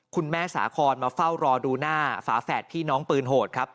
สาคอนมาเฝ้ารอดูหน้าฝาแฝดพี่น้องปืนโหดครับ